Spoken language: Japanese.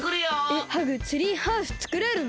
えっハグツリーハウスつくれるの？